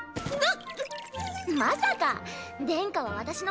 あっ。